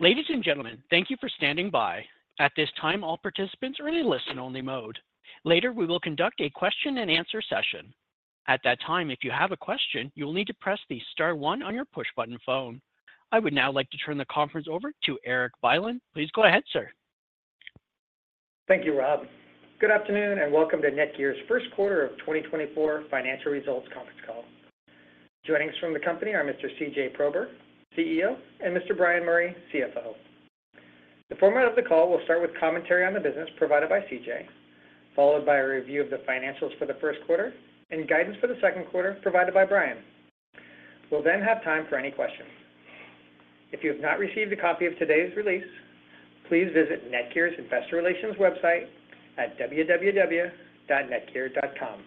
Ladies and gentlemen, thank you for standing by. At this time, all participants are in a listen-only mode. Later, we will conduct a question-and-answer session. At that time, if you have a question, you will need to press the star one on your push-button phone. I would now like to turn the conference over to Erik Bylin. Please go ahead, sir. Thank you, Rob. Good afternoon and welcome to NETGEAR's First Quarter of 2024 Financial Results Conference Call. Joining us from the company are Mr. C.J. Prober, CEO, and Mr. Bryan Murray, CFO. The format of the call will start with commentary on the business provided by CJ, followed by a review of the financials for the first quarter, and guidance for the second quarter provided by Bryan. We'll then have time for any questions. If you have not received a copy of today's release, please visit NETGEAR's investor relations website at www.netgear.com.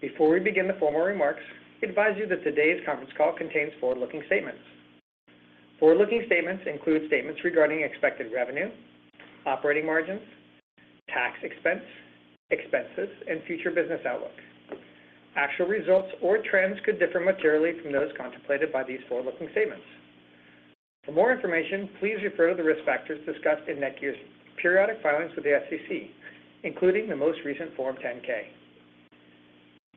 Before we begin the formal remarks, we advise you that today's conference call contains forward-looking statements. Forward-looking statements include statements regarding expected revenue, operating margins, tax expense, expenses, and future business outlook. Actual results or trends could differ materially from those contemplated by these forward-looking statements. For more information, please refer to the risk factors discussed in NETGEAR's periodic filings with the SEC, including the most recent Form 10-K.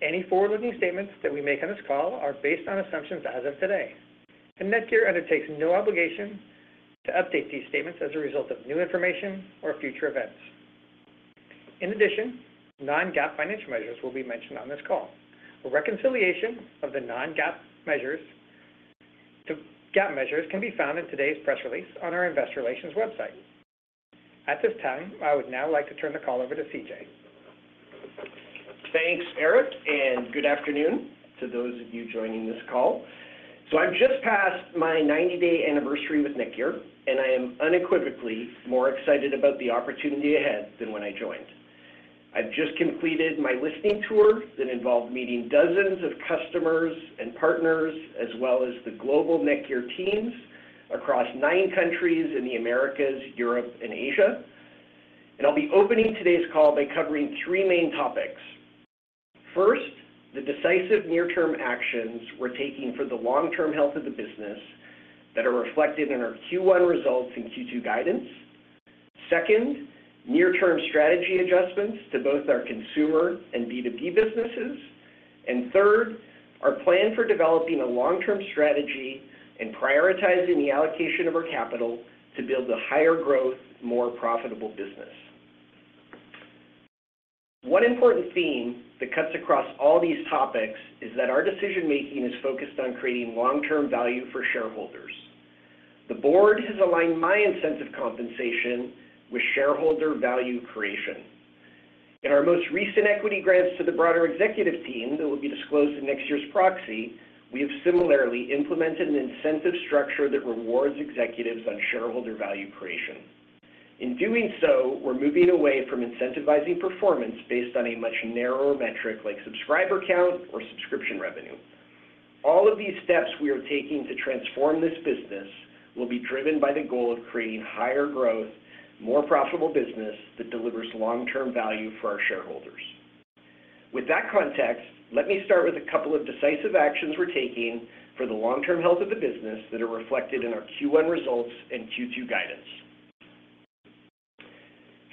Any forward-looking statements that we make on this call are based on assumptions as of today, and NETGEAR undertakes no obligation to update these statements as a result of new information or future events. In addition, non-GAAP financial measures will be mentioned on this call. A reconciliation of the non-GAAP measures can be found in today's press release on our investor relations website. At this time, I would now like to turn the call over to C.J. Thanks, Erik, and good afternoon to those of you joining this call. So I've just passed my 90-day anniversary with NETGEAR, and I am unequivocally more excited about the opportunity ahead than when I joined. I've just completed my listening tour that involved meeting dozens of customers and partners, as well as the global NETGEAR teams across nine countries in the Americas, Europe, and Asia. And I'll be opening today's call by covering three main topics. First, the decisive near-term actions we're taking for the long-term health of the business that are reflected in our Q1 results and Q2 guidance. Second, near-term strategy adjustments to both our consumer and B2B businesses. And third, our plan for developing a long-term strategy and prioritizing the allocation of our capital to build a higher-growth, more profitable business. One important theme that cuts across all these topics is that our decision-making is focused on creating long-term value for shareholders. The board has aligned my incentive compensation with shareholder value creation. In our most recent equity grants to the broader executive team that will be disclosed in next year's proxy, we have similarly implemented an incentive structure that rewards executives on shareholder value creation. In doing so, we're moving away from incentivizing performance based on a much narrower metric like subscriber count or subscription revenue. All of these steps we are taking to transform this business will be driven by the goal of creating higher growth, more profitable business that delivers long-term value for our shareholders. With that context, let me start with a couple of decisive actions we're taking for the long-term health of the business that are reflected in our Q1 results and Q2 guidance.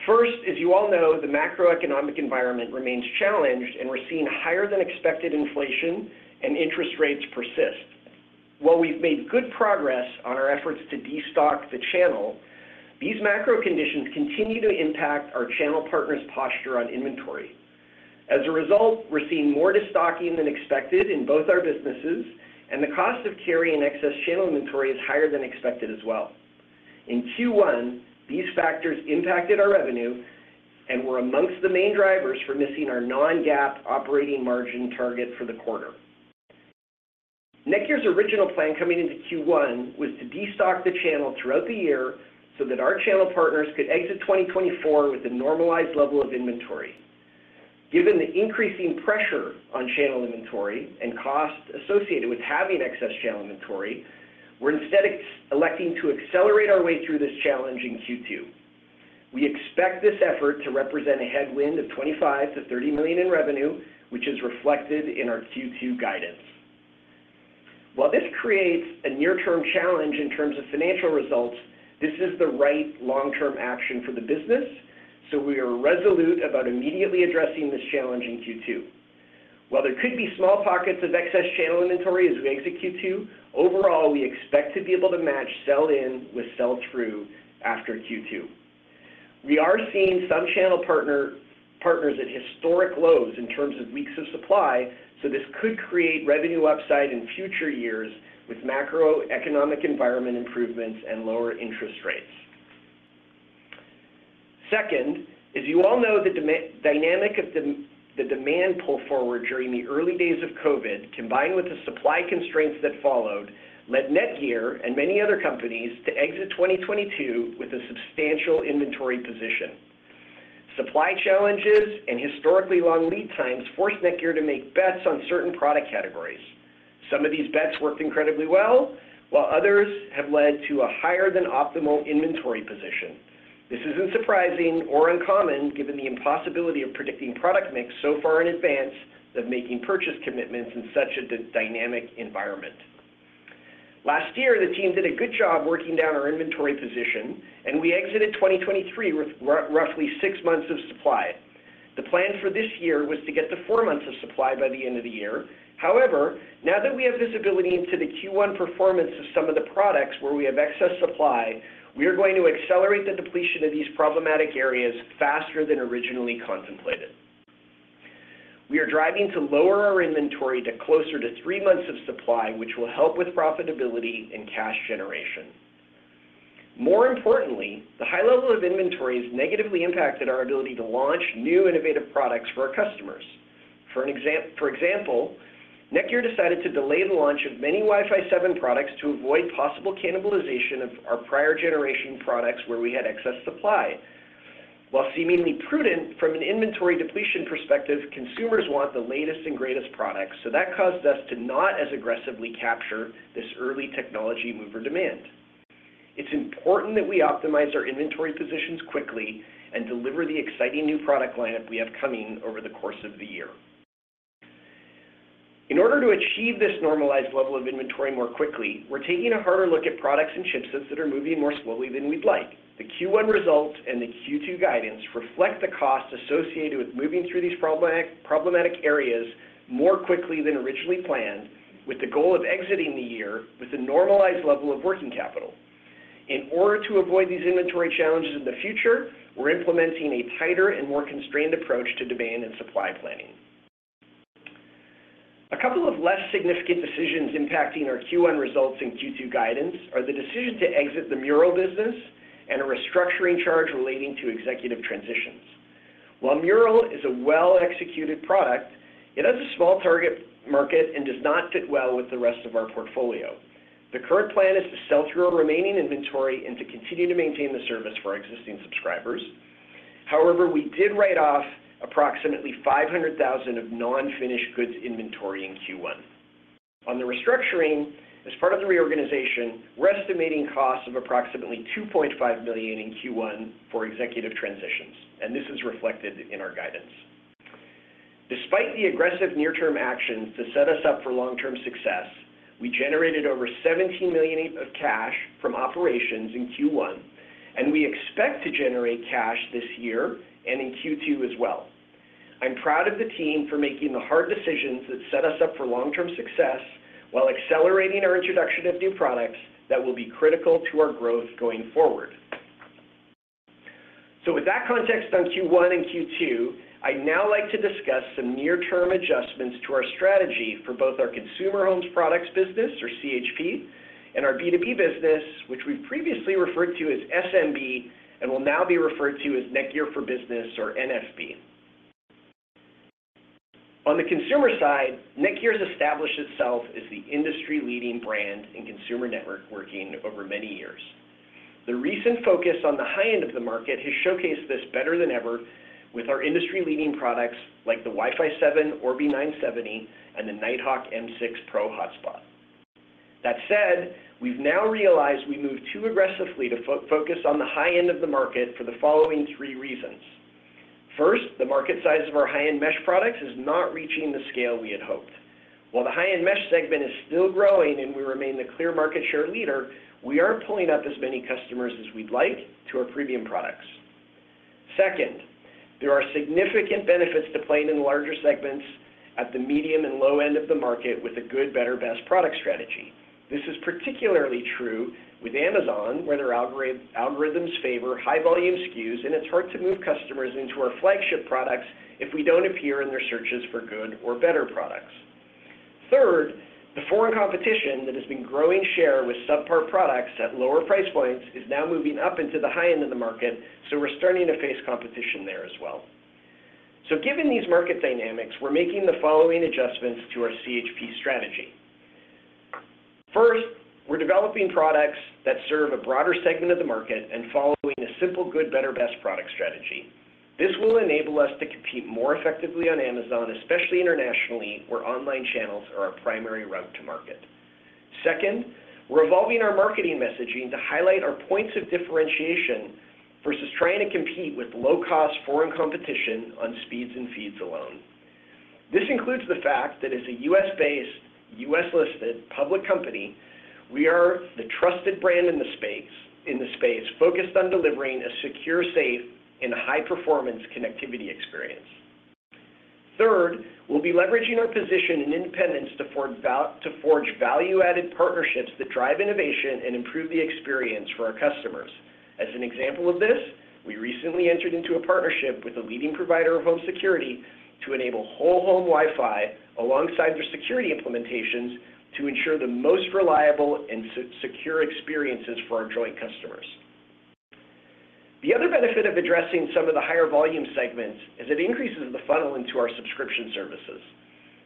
First, as you all know, the macroeconomic environment remains challenged, and we're seeing higher-than-expected inflation and interest rates persist. While we've made good progress on our efforts to destock the channel, these macro conditions continue to impact our channel partners' posture on inventory. As a result, we're seeing more destocking than expected in both our businesses, and the cost of carrying excess channel inventory is higher than expected as well. In Q1, these factors impacted our revenue and were amongst the main drivers for missing our Non-GAAP operating margin target for the quarter. NETGEAR's original plan coming into Q1 was to destock the channel throughout the year so that our channel partners could exit 2024 with a normalized level of inventory. Given the increasing pressure on channel inventory and cost associated with having excess channel inventory, we're instead electing to accelerate our way through this challenge in Q2. We expect this effort to represent a headwind of $25 million-$30 million in revenue, which is reflected in our Q2 guidance. While this creates a near-term challenge in terms of financial results, this is the right long-term action for the business, so we are resolute about immediately addressing this challenge in Q2. While there could be small pockets of excess channel inventory as we exit Q2, overall, we expect to be able to match sell-in with sell-through after Q2. We are seeing some channel partners at historic lows in terms of weeks of supply, so this could create revenue upside in future years with macroeconomic environment improvements and lower interest rates. Second, as you all know, the dynamic of the demand pull forward during the early days of COVID, combined with the supply constraints that followed, led NETGEAR and many other companies to exit 2022 with a substantial inventory position. Supply challenges and historically long lead times forced NETGEAR to make bets on certain product categories. Some of these bets worked incredibly well, while others have led to a higher-than-optimal inventory position. This isn't surprising or uncommon given the impossibility of predicting product mix so far in advance of making purchase commitments in such a dynamic environment. Last year, the team did a good job working down our inventory position, and we exited 2023 with roughly six months of supply. The plan for this year was to get to four months of supply by the end of the year. However, now that we have visibility into the Q1 performance of some of the products where we have excess supply, we are going to accelerate the depletion of these problematic areas faster than originally contemplated. We are driving to lower our inventory to closer to three months of supply, which will help with profitability and cash generation. More importantly, the high level of inventory has negatively impacted our ability to launch new innovative products for our customers. For example, NETGEAR decided to delay the launch of many Wi-Fi 7 products to avoid possible cannibalization of our prior generation products where we had excess supply. While seemingly prudent from an inventory depletion perspective, consumers want the latest and greatest products, so that caused us to not as aggressively capture this early technology move of demand. It's important that we optimize our inventory positions quickly and deliver the exciting new product lineup we have coming over the course of the year. In order to achieve this normalized level of inventory more quickly, we're taking a harder look at products and chipsets that are moving more slowly than we'd like. The Q1 results and the Q2 guidance reflect the cost associated with moving through these problematic areas more quickly than originally planned, with the goal of exiting the year with a normalized level of working capital. In order to avoid these inventory challenges in the future, we're implementing a tighter and more constrained approach to demand and supply planning. A couple of less significant decisions impacting our Q1 results and Q2 guidance are the decision to exit the Meural business and a restructuring charge relating to executive transitions. While Meural is a well-executed product, it has a small target market and does not fit well with the rest of our portfolio. The current plan is to sell through our remaining inventory and to continue to maintain the service for our existing subscribers. However, we did write off approximately $500,000 of non-finished goods inventory in Q1. On the restructuring, as part of the reorganization, we're estimating costs of approximately $2.5 million in Q1 for executive transitions, and this is reflected in our guidance. Despite the aggressive near-term actions to set us up for long-term success, we generated over $17 million of cash from operations in Q1, and we expect to generate cash this year and in Q2 as well. I'm proud of the team for making the hard decisions that set us up for long-term success while accelerating our introduction of new products that will be critical to our growth going forward. So with that context on Q1 and Q2, I'd now like to discuss some near-term adjustments to our strategy for both our consumer homes products business, or CHP, and our B2B business, which we've previously referred to as SMB and will now be referred to as NETGEAR for Business, or NFB. On the consumer side, NETGEAR has established itself as the industry-leading brand and consumer networking over many years. The recent focus on the high end of the market has showcased this better than ever with our industry-leading products like the Wi-Fi 7 Orbi 970 and the Nighthawk M6 Pro Hotspot. That said, we've now realized we move too aggressively to focus on the high end of the market for the following three reasons. First, the market size of our high-end mesh products is not reaching the scale we had hoped. While the high-end mesh segment is still growing and we remain the clear market share leader, we aren't pulling up as many customers as we'd like to our premium products. Second, there are significant benefits to playing in larger segments at the medium and low end of the market with a good, better, best product strategy. This is particularly true with Amazon, where their algorithms favor high-volume SKUs, and it's hard to move customers into our flagship products if we don't appear in their searches for good or better products. Third, the foreign competition that has been growing share with subpar products at lower price points is now moving up into the high end of the market, so we're starting to face competition there as well. Given these market dynamics, we're making the following adjustments to our CHP strategy. First, we're developing products that serve a broader segment of the market and following a simple good, better, best product strategy. This will enable us to compete more effectively on Amazon, especially internationally, where online channels are our primary route to market. Second, we're evolving our marketing messaging to highlight our points of differentiation versus trying to compete with low-cost foreign competition on speeds and feeds alone. This includes the fact that as a U.S.-based, U.S.-listed public company, we are the trusted brand in the space focused on delivering a secure, safe, and high-performance connectivity experience. Third, we'll be leveraging our position and independence to forge value-added partnerships that drive innovation and improve the experience for our customers. As an example of this, we recently entered into a partnership with a leading provider of home security to enable whole-home Wi-Fi alongside their security implementations to ensure the most reliable and secure experiences for our joint customers. The other benefit of addressing some of the higher-volume segments is it increases the funnel into our subscription services.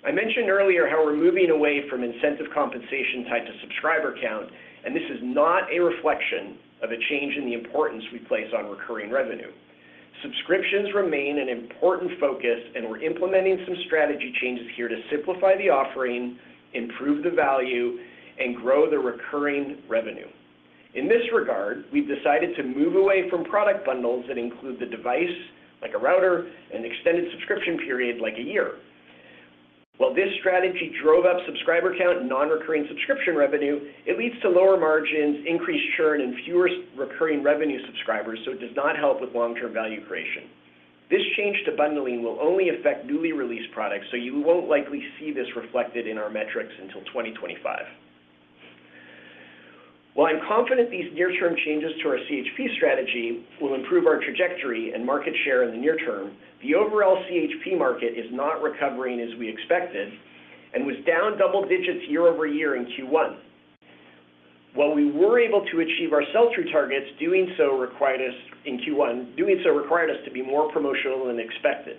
I mentioned earlier how we're moving away from incentive compensation tied to subscriber count, and this is not a reflection of a change in the importance we place on recurring revenue. Subscriptions remain an important focus, and we're implementing some strategy changes here to simplify the offering, improve the value, and grow the recurring revenue. In this regard, we've decided to move away from product bundles that include the device, like a router, and an extended subscription period, like a year. While this strategy drove up subscriber count and non-recurring subscription revenue, it leads to lower margins, increased churn, and fewer recurring revenue subscribers, so it does not help with long-term value creation. This change to bundling will only affect newly released products, so you won't likely see this reflected in our metrics until 2025. While I'm confident these near-term changes to our CHP strategy will improve our trajectory and market share in the near term, the overall CHP market is not recovering as we expected and was down double digits year over year in Q1. While we were able to achieve our sell-through targets, doing so required us in Q1 to be more promotional than expected.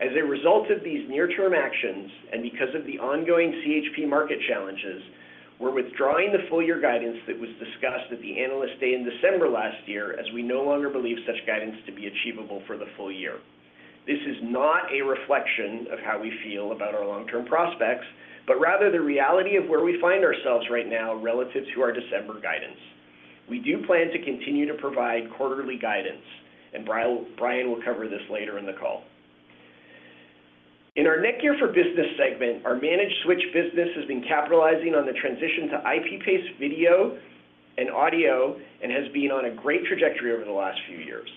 As a result of these near-term actions and because of the ongoing CHP market challenges, we're withdrawing the full-year guidance that was discussed at the analysts' day in December last year, as we no longer believe such guidance to be achievable for the full year. This is not a reflection of how we feel about our long-term prospects, but rather the reality of where we find ourselves right now relative to our December guidance. We do plan to continue to provide quarterly guidance, and Bryan will cover this later in the call. In our NETGEAR for Business segment, our managed switch business has been capitalizing on the transition to IP-based video and audio and has been on a great trajectory over the last few years.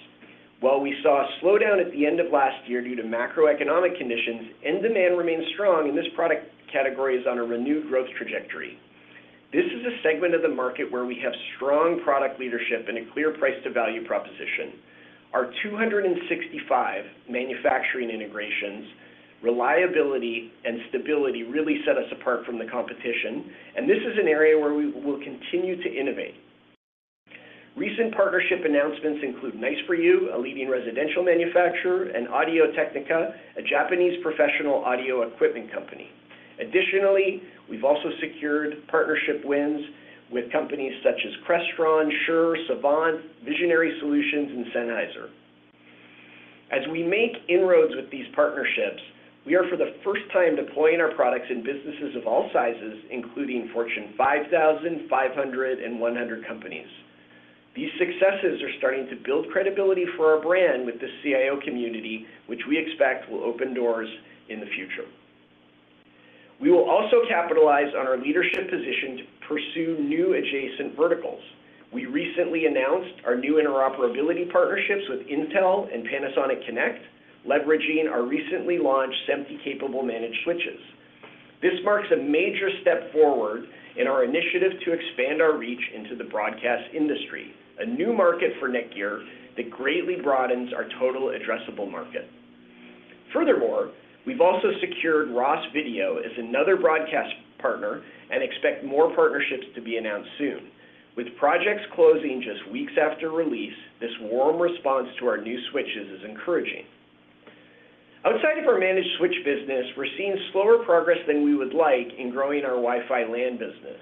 While we saw a slowdown at the end of last year due to macroeconomic conditions and demand remains strong, this product category is on a renewed growth trajectory. This is a segment of the market where we have strong product leadership and a clear price-to-value proposition. Our 265 manufacturing integrations, reliability, and stability really set us apart from the competition, and this is an area where we will continue to innovate. Recent partnership announcements include Nice4U, a leading residential manufacturer, and Audio-Technica, a Japanese professional audio equipment company. Additionally, we've also secured partnership wins with companies such as Crestron, Shure, Savant, Visionary Solutions, and Sennheiser. As we make inroads with these partnerships, we are for the first time deploying our products in businesses of all sizes, including Fortune 5000, 500, and 100 companies. These successes are starting to build credibility for our brand with the CIO community, which we expect will open doors in the future. We will also capitalize on our leadership position to pursue new adjacent verticals. We recently announced our new interoperability partnerships with Intel and Panasonic Connect, leveraging our recently launched SMPTE-capable managed switches. This marks a major step forward in our initiative to expand our reach into the broadcast industry, a new market for NETGEAR that greatly broadens our total addressable market. Furthermore, we've also secured Ross Video as another broadcast partner and expect more partnerships to be announced soon. With projects closing just weeks after release, this warm response to our new switches is encouraging. Outside of our managed switch business, we're seeing slower progress than we would like in growing our Wi-Fi LAN business.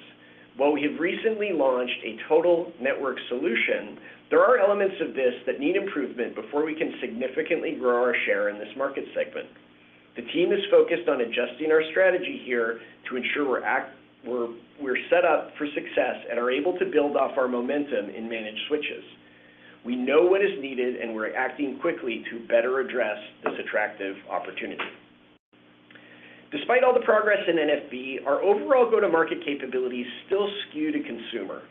While we have recently launched a total network solution, there are elements of this that need improvement before we can significantly grow our share in this market segment. The team is focused on adjusting our strategy here to ensure we're set up for success and are able to build off our momentum in managed switches. We know what is needed, and we're acting quickly to better address this attractive opportunity. Despite all the progress in NFB, our overall go-to-market capabilities still skew to consumer.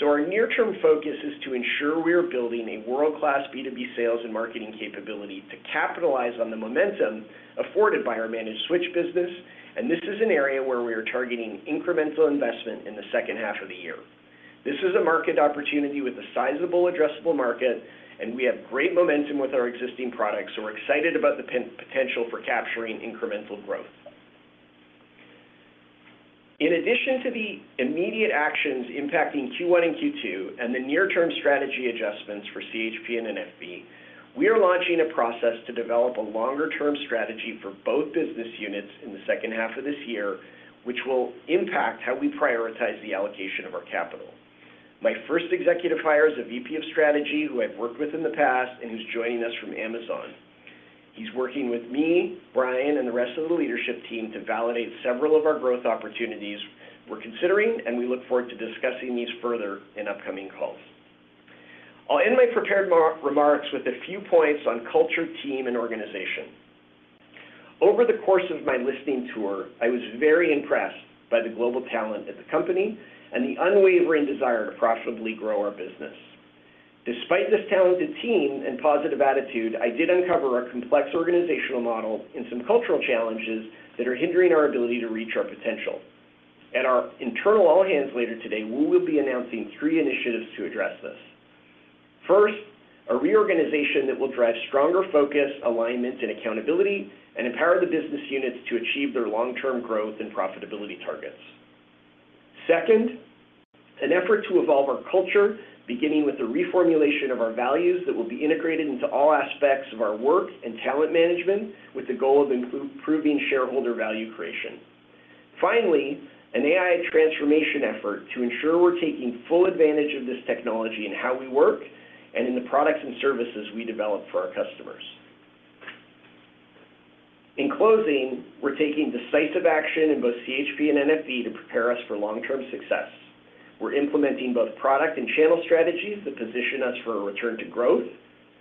So our near-term focus is to ensure we are building a world-class B2B sales and marketing capability to capitalize on the momentum afforded by our managed switch business, and this is an area where we are targeting incremental investment in the second half of the year. This is a market opportunity with a sizable addressable market, and we have great momentum with our existing products, so we're excited about the potential for capturing incremental growth. In addition to the immediate actions impacting Q1 and Q2 and the near-term strategy adjustments for CHP and NFB, we are launching a process to develop a longer-term strategy for both business units in the second half of this year, which will impact how we prioritize the allocation of our capital. My first executive hire is a VP of strategy who I've worked with in the past and who's joining us from Amazon. He's working with me, Bryan, and the rest of the leadership team to validate several of our growth opportunities we're considering, and we look forward to discussing these further in upcoming calls. I'll end my prepared remarks with a few points on culture, team, and organization. Over the course of my listening tour, I was very impressed by the global talent at the company and the unwavering desire to profitably grow our business. Despite this talented team and positive attitude, I did uncover a complex organizational model and some cultural challenges that are hindering our ability to reach our potential. At our internal all-hands later today, we will be announcing three initiatives to address this. First, a reorganization that will drive stronger focus, alignment, and accountability, and empower the business units to achieve their long-term growth and profitability targets. Second, an effort to evolve our culture, beginning with the reformulation of our values that will be integrated into all aspects of our work and talent management with the goal of improving shareholder value creation. Finally, an AI transformation effort to ensure we're taking full advantage of this technology in how we work and in the products and services we develop for our customers. In closing, we're taking decisive action in both CHP and NFB to prepare us for long-term success. We're implementing both product and channel strategies that position us for a return to growth.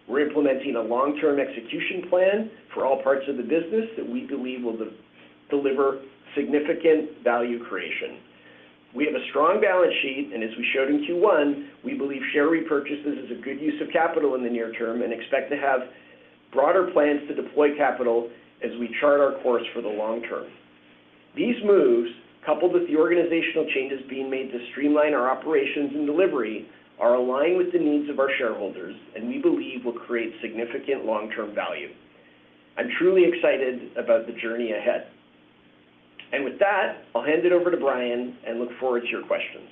We're implementing a long-term execution plan for all parts of the business that we believe will deliver significant value creation. We have a strong balance sheet, and as we showed in Q1, we believe share repurchases is a good use of capital in the near term and expect to have broader plans to deploy capital as we chart our course for the long term. These moves, coupled with the organizational changes being made to streamline our operations and delivery, are aligned with the needs of our shareholders, and we believe will create significant long-term value. I'm truly excited about the journey ahead. With that, I'll hand it over to Bryan and look forward to your questions.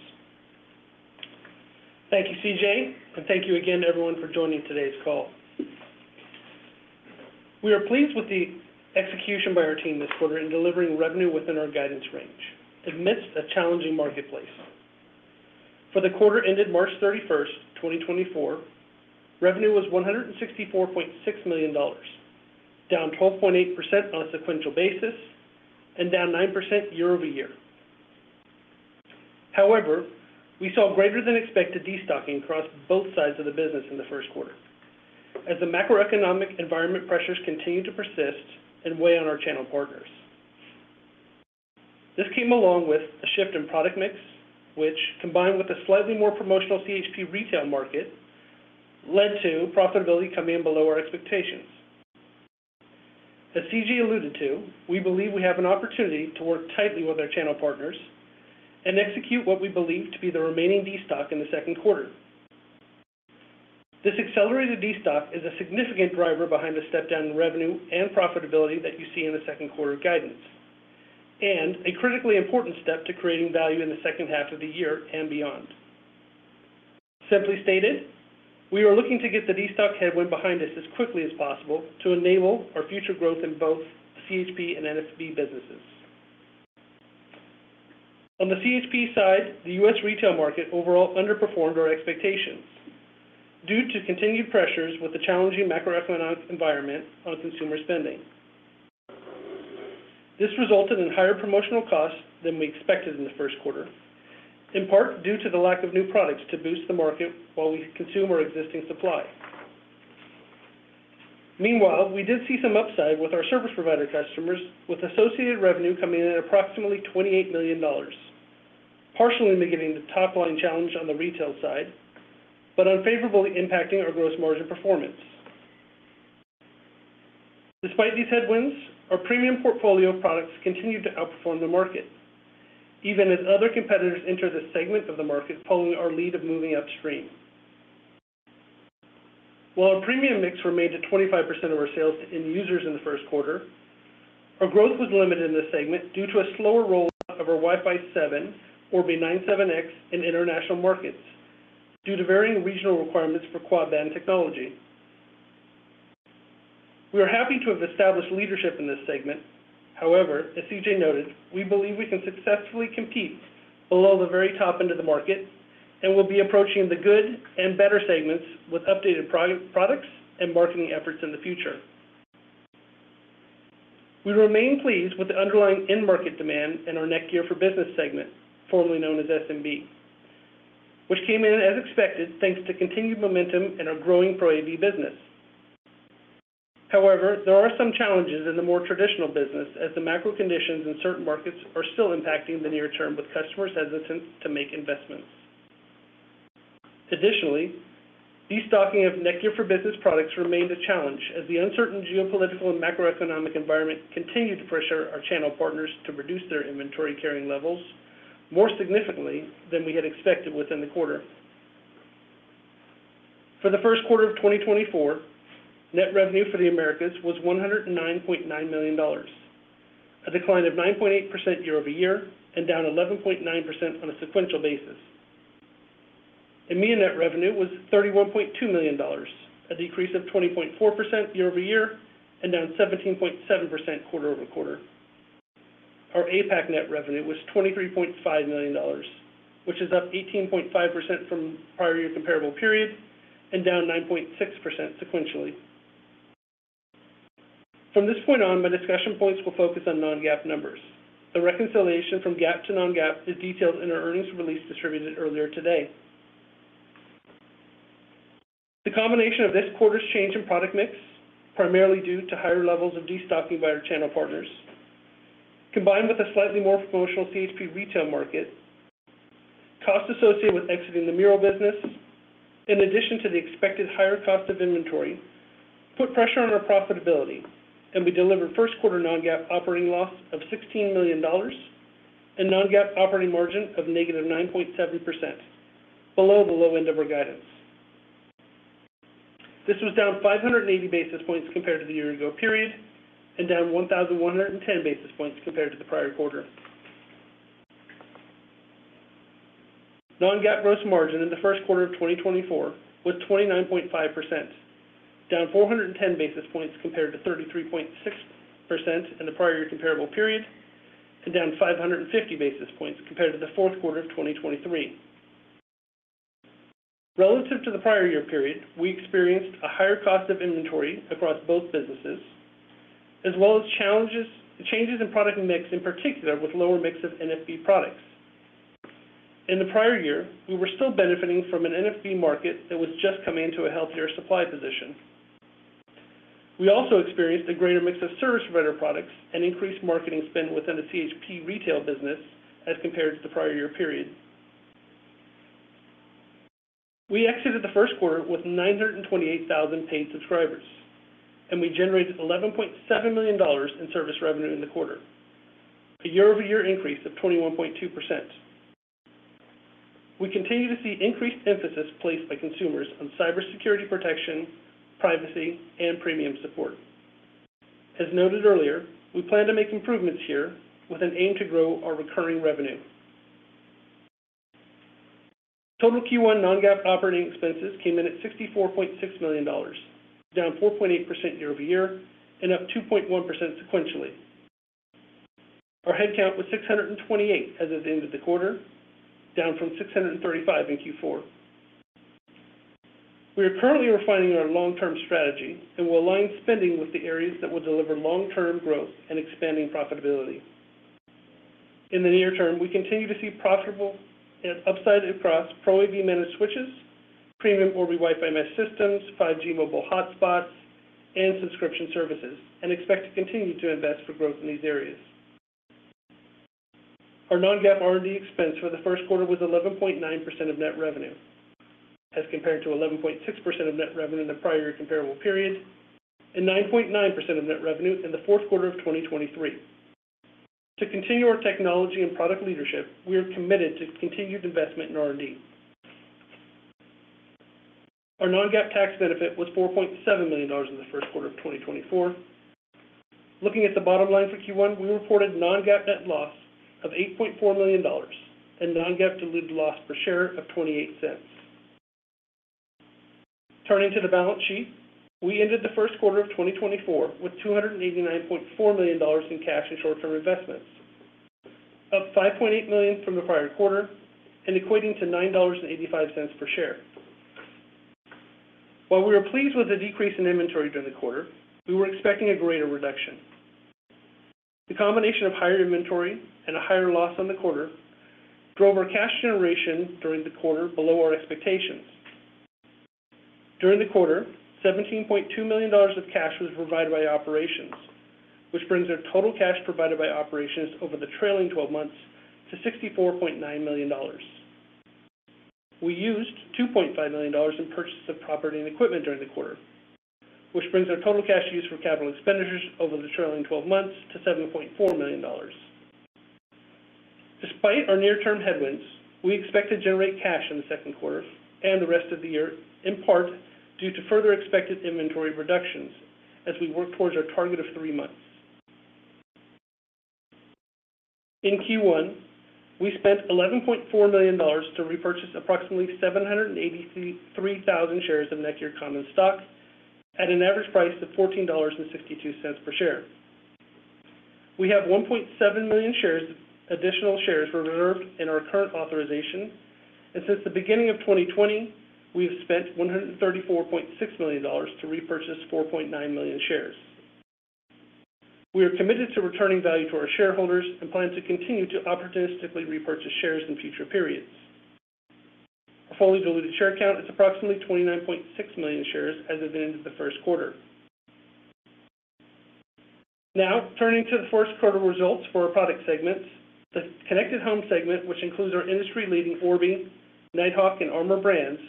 Thank you, C.J., and thank you again, everyone, for joining today's call. We are pleased with the execution by our team this quarter in delivering revenue within our guidance range amidst a challenging marketplace. For the quarter ended March 31st, 2024, revenue was $164.6 million, down 12.8% on a sequential basis and down 9% year-over-year. However, we saw greater-than-expected destocking across both sides of the business in the first quarter as the macroeconomic environment pressures continue to persist and weigh on our channel partners. This came along with a shift in product mix, which, combined with a slightly more promotional CHP retail market, led to profitability coming in below our expectations. As C.J. alluded to, we believe we have an opportunity to work tightly with our channel partners and execute what we believe to be the remaining destock in the second quarter. This accelerated destock is a significant driver behind the step-down in revenue and profitability that you see in the second quarter guidance and a critically important step to creating value in the second half of the year and beyond. Simply stated, we are looking to get the destock headwind behind us as quickly as possible to enable our future growth in both CHP and NFB businesses. On the CHP side, the U.S. retail market overall underperformed our expectations due to continued pressures with the challenging macroeconomic environment on consumer spending. This resulted in higher promotional costs than we expected in the first quarter, in part due to the lack of new products to boost the market while we consume our existing supply. Meanwhile, we did see some upside with our service provider customers, with associated revenue coming in at approximately $28 million, partially mitigating the top-line challenge on the retail side but unfavorably impacting our gross margin performance. Despite these headwinds, our premium portfolio of products continued to outperform the market, even as other competitors entered this segment of the market following our lead of moving upstream. While our premium mix were made to 25% of our sales to end users in the first quarter, our growth was limited in this segment due to a slower roll-out of our Wi-Fi 7, Orbi 970, in international markets due to varying regional requirements for quad-band technology. We are happy to have established leadership in this segment. However, as C.J. noted, we believe we can successfully compete below the very top end of the market and will be approaching the good and better segments with updated products and marketing efforts in the future. We remain pleased with the underlying in-market demand in our NETGEAR for Business segment, formerly known as SMB, which came in as expected thanks to continued momentum and our growing ProAV business. However, there are some challenges in the more traditional business as the macro conditions in certain markets are still impacting the near term with customers' hesitance to make investments. Additionally, destocking of NETGEAR for Business products remained a challenge as the uncertain geopolitical and macroeconomic environment continued to pressure our channel partners to reduce their inventory-carrying levels more significantly than we had expected within the quarter. For the first quarter of 2024, net revenue for the Americas was $109.9 million, a decline of 9.8% year-over-year and down 11.9% on a sequential basis. EMEA net revenue was $31.2 million, a decrease of 20.4% year-over-year and down 17.7% quarter-over-quarter. Our APAC net revenue was $23.5 million, which is up 18.5% from prior year comparable period and down 9.6% sequentially. From this point on, my discussion points will focus on non-GAAP numbers. The reconciliation from GAAP to non-GAAP is detailed in our earnings release distributed earlier today. The combination of this quarter's change in product mix, primarily due to higher levels of destocking by our channel partners, combined with a slightly more promotional CHP retail market, costs associated with exiting the Meural business, in addition to the expected higher cost of inventory, put pressure on our profitability, and we delivered first-quarter non-GAAP operating loss of $16 million and non-GAAP operating margin of negative 9.7%, below the low end of our guidance. This was down 580 basis points compared to the year ago period and down 1,110 basis points compared to the prior quarter. Non-GAAP gross margin in the first quarter of 2024 was 29.5%, down 410 basis points compared to 33.6% in the prior year comparable period and down 550 basis points compared to the fourth quarter of 2023. Relative to the prior year period, we experienced a higher cost of inventory across both businesses as well as changes in product mix, in particular with lower mix of NFB products. In the prior year, we were still benefiting from an NFB market that was just coming into a healthier supply position. We also experienced a greater mix of service provider products and increased marketing spend within the CHP retail business as compared to the prior year period. We exited the first quarter with 928,000 paid subscribers, and we generated $11.7 million in service revenue in the quarter, a year-over-year increase of 21.2%. We continue to see increased emphasis placed by consumers on cybersecurity protection, privacy, and premium support. As noted earlier, we plan to make improvements here with an aim to grow our recurring revenue. Total Q1 non-GAAP operating expenses came in at $64.6 million, down 4.8% year over year and up 2.1% sequentially. Our headcount was 628 as of the end of the quarter, down from 635 in Q4. We are currently refining our long-term strategy and will align spending with the areas that will deliver long-term growth and expanding profitability. In the near term, we continue to see profitable upside across ProAV-managed switches, premium Orbi Wi-Fi mesh systems, 5G mobile hotspots, and subscription services and expect to continue to invest for growth in these areas. Our non-GAAP R&D expense for the first quarter was 11.9% of net revenue as compared to 11.6% of net revenue in the prior year comparable period and 9.9% of net revenue in the fourth quarter of 2023. To continue our technology and product leadership, we are committed to continued investment in R&D. Our non-GAAP tax benefit was $4.7 million in the first quarter of 2024. Looking at the bottom line for Q1, we reported non-GAAP net loss of $8.4 million and non-GAAP diluted loss per share of $0.28. Turning to the balance sheet, we ended the first quarter of 2024 with $289.4 million in cash and short-term investments, up $5.8 million from the prior quarter and equating to $9.85 per share. While we were pleased with the decrease in inventory during the quarter, we were expecting a greater reduction. The combination of higher inventory and a higher loss on the quarter drove our cash generation during the quarter below our expectations. During the quarter, $17.2 million of cash was provided by operations, which brings our total cash provided by operations over the trailing 12 months to $64.9 million. We used $2.5 million in purchases of property and equipment during the quarter, which brings our total cash used for capital expenditures over the trailing 12 months to $7.4 million. Despite our near-term headwinds, we expect to generate cash in the second quarter and the rest of the year, in part due to further expected inventory reductions as we work towards our target of three months. In Q1, we spent $11.4 million to repurchase approximately 783,000 shares of NETGEAR common stock at an average price of $14.62 per share. We have 1.7 million additional shares reserved in our current authorization, and since the beginning of 2020, we have spent $134.6 million to repurchase 4.9 million shares. We are committed to returning value to our shareholders and plan to continue to opportunistically repurchase shares in future periods. Our fully diluted share count is approximately 29.6 million shares as of the end of the first quarter. Now, turning to the fourth quarter results for our product segments, the connected home segment, which includes our industry-leading Orbi, Nighthawk, and Armor brands,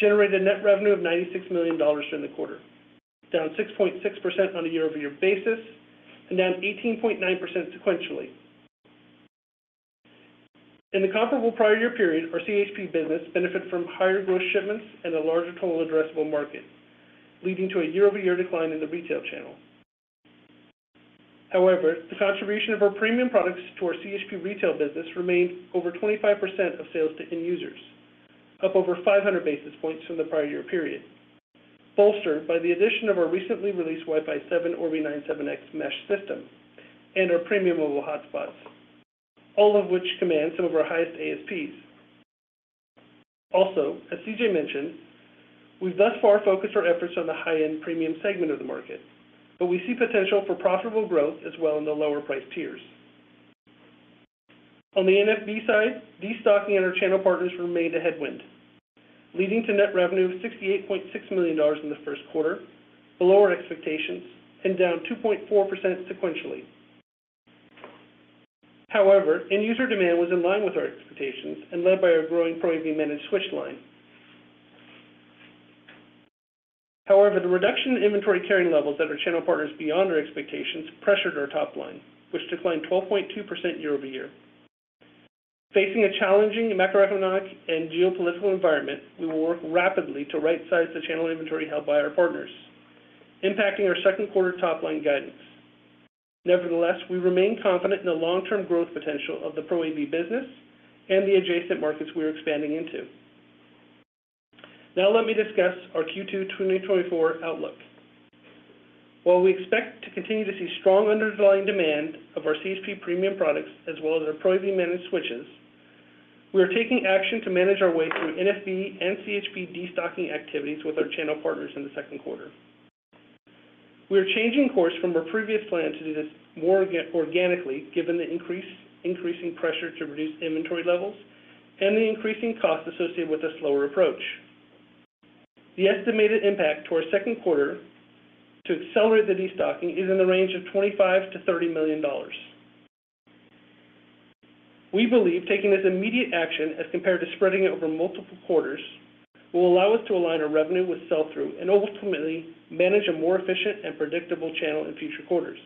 generated net revenue of $96 million during the quarter, down 6.6% on a year-over-year basis and down 18.9% sequentially. In the comparable prior year period, our CHP business benefited from higher gross shipments and a larger total addressable market, leading to a year-over-year decline in the retail channel. However, the contribution of our premium products to our CHP retail business remained over 25% of sales to end users, up over 500 basis points from the prior year period, bolstered by the addition of our recently released Wi-Fi 7 Orbi 970 mesh system and our premium mobile hotspots, all of which command some of our highest ASPs. Also, as C.J. mentioned, we've thus far focused our efforts on the high-end premium segment of the market, but we see potential for profitable growth as well in the lower-priced tiers. On the NFB side, destocking and our channel partners remained a headwind, leading to net revenue of $68.6 million in the first quarter, below our expectations, and down 2.4% sequentially. However, end-user demand was in line with our expectations and led by our growing ProAV-managed switch line. However, the reduction in inventory-carrying levels at our channel partners beyond our expectations pressured our top line, which declined 12.2% year-over-year. Facing a challenging macroeconomic and geopolitical environment, we will work rapidly to right-size the channel inventory held by our partners, impacting our second quarter top-line guidance. Nevertheless, we remain confident in the long-term growth potential of the ProAV business and the adjacent markets we are expanding into. Now, let me discuss our Q2 2024 outlook. While we expect to continue to see strong underlying demand of our CHP premium products as well as our ProAV-managed switches, we are taking action to manage our way through NFB and CHP destocking activities with our channel partners in the second quarter. We are changing course from our previous plan to do this more organically given the increasing pressure to reduce inventory levels and the increasing cost associated with a slower approach. The estimated impact towards second quarter to accelerate the destocking is in the range of $25 million-$30 million. We believe taking this immediate action as compared to spreading it over multiple quarters will allow us to align our revenue with sell-through and ultimately manage a more efficient and predictable channel in future quarters.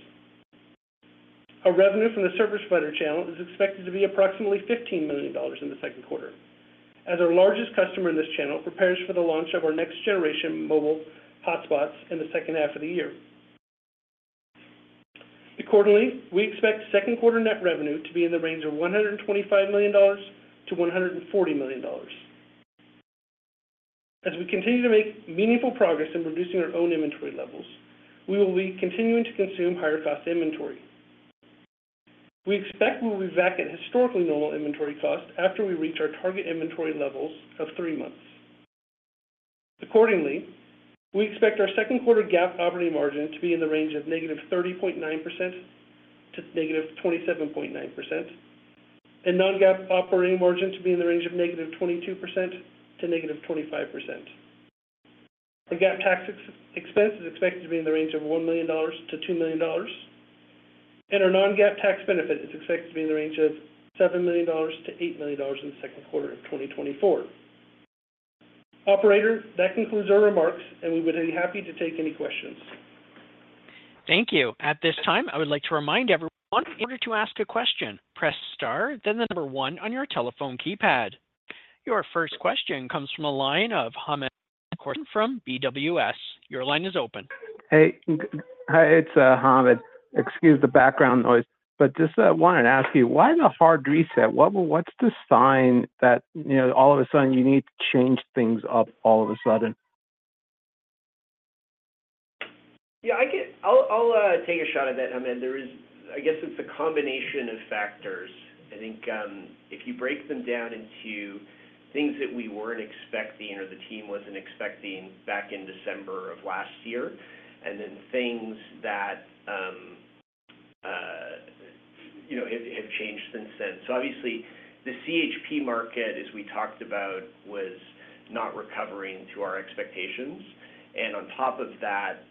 Our revenue from the service provider channel is expected to be approximately $15 million in the second quarter as our largest customer in this channel prepares for the launch of our next-generation mobile hotspots in the second half of the year. Accordingly, we expect second quarter net revenue to be in the range of $125 million-$140 million. As we continue to make meaningful progress in reducing our own inventory levels, we will be continuing to consume higher-cost inventory. We expect we will be back at historically normal inventory cost after we reach our target inventory levels of three months. Accordingly, we expect our second quarter GAAP operating margin to be in the range of -30.9% to -27.9% and non-GAAP operating margin to be in the range of -22% to -25%. Our GAAP tax expense is expected to be in the range of $1 million-$2 million, and our non-GAAP tax benefit is expected to be in the range of $7 million-$8 million in the second quarter of 2024. Operator, that concludes our remarks, and we would be happy to take any questions. Thank you. At this time, I would like to remind everyone, in order to ask a question, press star, then the number one on your telephone keypad. Your first question comes from a line of Hamed Khorsand from BWS Financial. Your line is open. Hey. Hi, it's Hamed. Excuse the background noise, but just wanted to ask you, why the hard reset? What's the sign that all of a sudden you need to change things up all of a sudden? Yeah, I'll take a shot at that, Hamed. I guess it's a combination of factors. I think if you break them down into things that we weren't expecting or the team wasn't expecting back in December of last year and then things that have changed since then. So obviously, the CHP market, as we talked about, was not recovering to our expectations. And on top of that,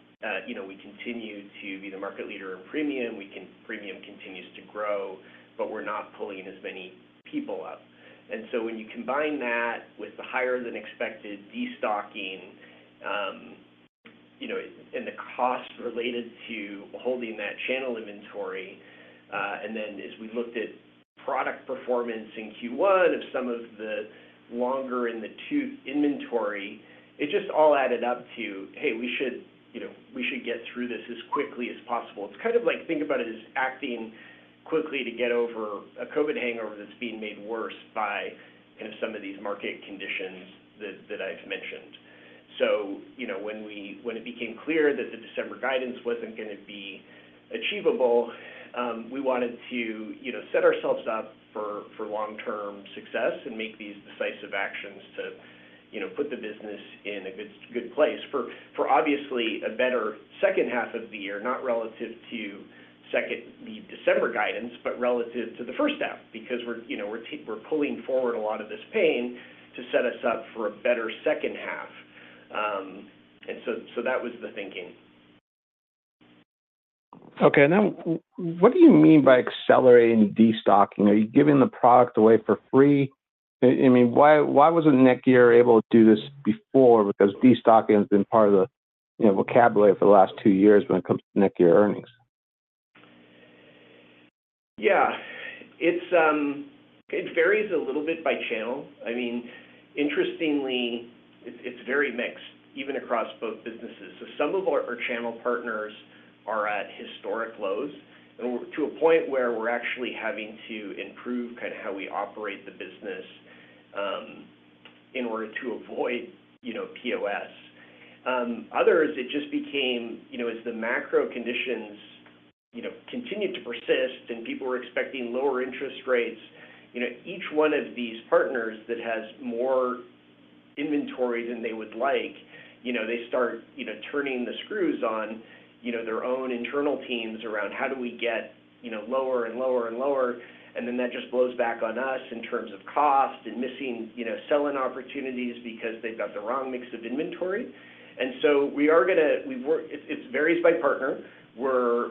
we continue to be the market leader in premium. Premium continues to grow, but we're not pulling as many people up. When you combine that with the higher-than-expected destocking and the cost related to holding that channel inventory, and then as we looked at product performance in Q1 of some of the longer-in-the-tooth inventory, it just all added up to, "Hey, we should get through this as quickly as possible." It's kind of like think about it as acting quickly to get over a COVID hangover that's being made worse by some of these market conditions that I've mentioned. So, when it became clear that the December guidance wasn't going to be achievable, we wanted to set ourselves up for long-term success and make these decisive actions to put the business in a good place for, obviously, a better second half of the year, not relative to the December guidance, but relative to the first half because we're pulling forward a lot of this pain to set us up for a better second half. And so that was the thinking. Okay. Now, what do you mean by accelerating destocking? Are you giving the product away for free? I mean, why wasn't NETGEAR able to do this before? Because destocking has been part of the vocabulary for the last two years when it comes to NETGEAR earnings. Yeah. It varies a little bit by channel. I mean, interestingly, it's very mixed even across both businesses. So some of our channel partners are at historic lows to a point where we're actually having to improve kind of how we operate the business in order to avoid POS. Others, it just became as the macro conditions continued to persist and people were expecting lower interest rates, each one of these partners that has more inventory than they would like, they start turning the screws on their own internal teams around, "How do we get lower and lower and lower?" And then that just blows back on us in terms of cost and missing selling opportunities because they've got the wrong mix of inventory. And so we are going to it varies by partner.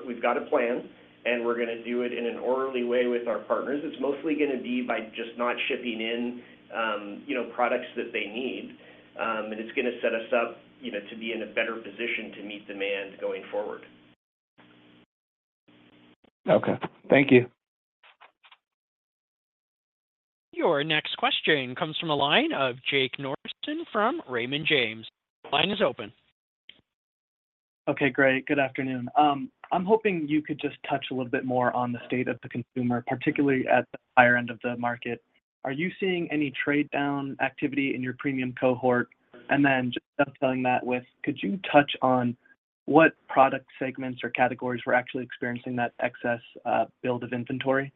We've got a plan, and we're going to do it in an orderly way with our partners. It's mostly going to be by just not shipping in products that they need. And it's going to set us up to be in a better position to meet demand going forward. Okay. Thank you. Your next question comes from a line of Jake Norrison from Raymond James. The line is open. Okay. Great. Good afternoon. I'm hoping you could just touch a little bit more on the state of the consumer, particularly at the higher end of the market. Are you seeing any trade-down activity in your premium cohort? And then just dovetailing that with, could you touch on what product segments or categories were actually experiencing that excess build of inventory?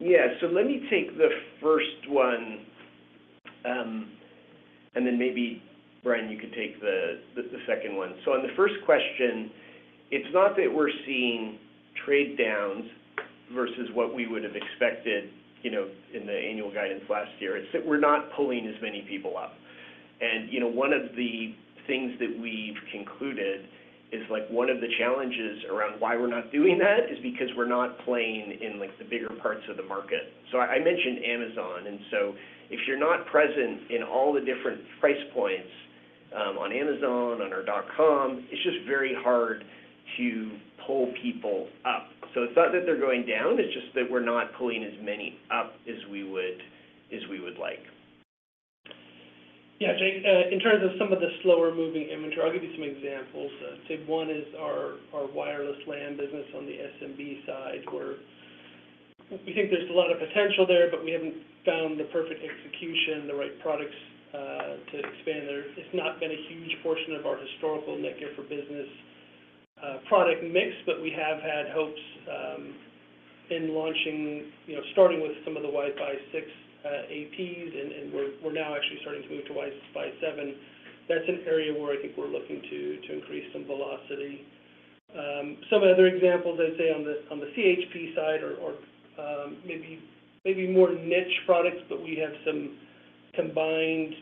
Yeah. So let me take the first one, and then maybe, Bryan, you could take the second one. So on the first question, it's not that we're seeing trade-downs versus what we would have expected in the annual guidance last year. It's that we're not pulling as many people up. And one of the things that we've concluded is one of the challenges around why we're not doing that is because we're not playing in the bigger parts of the market. So I mentioned Amazon. And so if you're not present in all the different price points on Amazon, on our dot-com, it's just very hard to pull people up. So it's not that they're going down. It's just that we're not pulling as many up as we would like. Yeah, Jake. In terms of some of the slower-moving inventory, I'll give you some examples. Say one is our wireless LAN business on the SMB side, where we think there's a lot of potential there, but we haven't found the perfect execution, the right products to expand there. It's not been a huge portion of our historical NETGEAR for Business product mix, but we have had hopes in starting with some of the Wi-Fi 6 APs, and we're now actually starting to move to Wi-Fi 7. That's an area where I think we're looking to increase some velocity. Some other examples, I'd say, on the CHP side are maybe more niche products, but we have some combined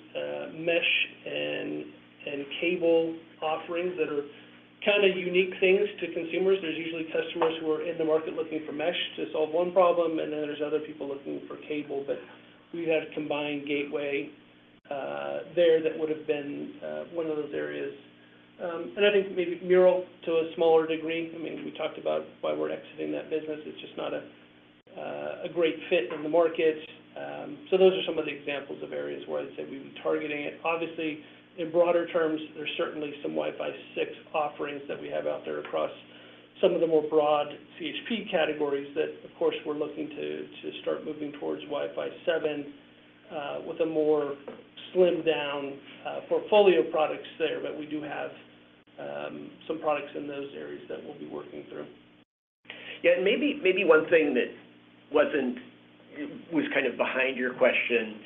mesh and cable offerings that are kind of unique things to consumers. There's usually customers who are in the market looking for mesh to solve one problem, and then there's other people looking for cable. But we've had combined gateway there that would have been one of those areas. And I think maybe Meural to a smaller degree. I mean, we talked about why we're exiting that business. It's just not a great fit in the market. So those are some of the examples of areas where I'd say we'd be targeting it. Obviously, in broader terms, there's certainly some Wi-Fi 6 offerings that we have out there across some of the more broad CHP categories that, of course, we're looking to start moving towards Wi-Fi 7 with a more slimmed-down portfolio products there. But we do have some products in those areas that we'll be working through. Yeah. And maybe one thing that was kind of behind your question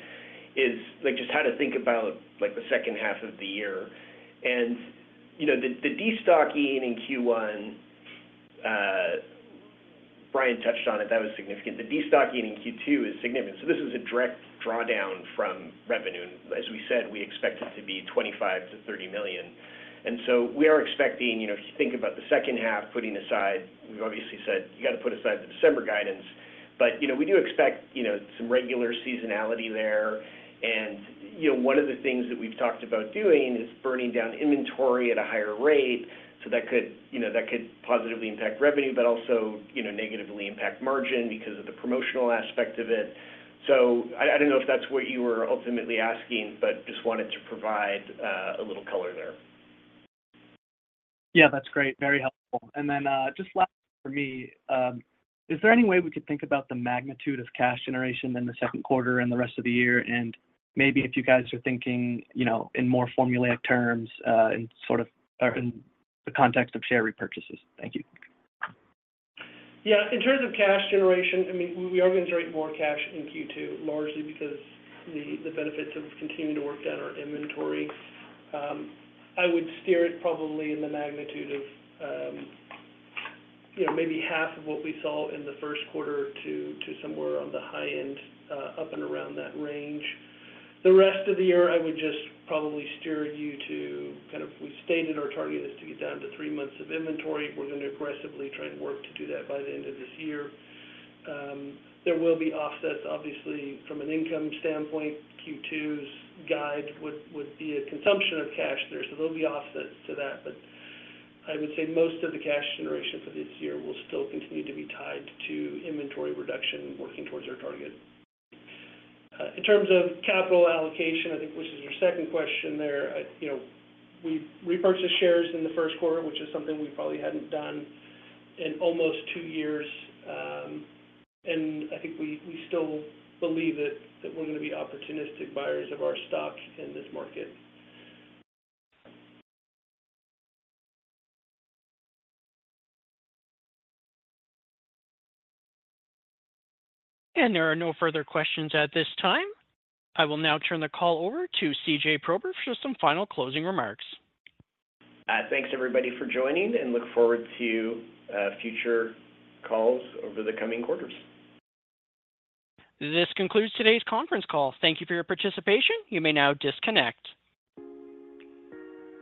is just how to think about the second half of the year. And the destocking in Q1, Bryan touched on it. That was significant. The destocking in Q2 is significant. So this is a direct drawdown from revenue. As we said, we expect it to be $25 million-$30 million. And so we are expecting, if you think about the second half, putting aside we've obviously said, "You got to put aside the December guidance." But we do expect some regular seasonality there. And one of the things that we've talked about doing is burning down inventory at a higher rate. So that could positively impact revenue but also negatively impact margin because of the promotional aspect of it. I don't know if that's what you were ultimately asking, but just wanted to provide a little color there. Yeah, that's great. Very helpful. And then just last for me, is there any way we could think about the magnitude of cash generation in the second quarter and the rest of the year? And maybe if you guys are thinking in more formulaic terms in sort of the context of share repurchases. Thank you. Yeah. In terms of cash generation, I mean, we generated more cash in Q2 largely because the benefits of continuing to work down our inventory. I would steer it probably in the magnitude of maybe half of what we saw in the first quarter to somewhere on the high end, up and around that range. The rest of the year, I would just probably steer you to kind of, we stated our target is to get down to three months of inventory. We're going to aggressively try and work to do that by the end of this year. There will be offsets, obviously, from an income standpoint. Q2's guide would be a consumption of cash there. So there'll be offsets to that. But I would say most of the cash generation for this year will still continue to be tied to inventory reduction working towards our target. In terms of capital allocation, I think, which is your second question there, we repurchased shares in the first quarter, which is something we probably hadn't done in almost two years. I think we still believe that we're going to be opportunistic buyers of our stock in this market. There are no further questions at this time. I will now turn the call over to C.J. Prober for some final closing remarks. Thanks, everybody, for joining, and look forward to future calls over the coming quarters. This concludes today's conference call. Thank you for your participation. You may now disconnect.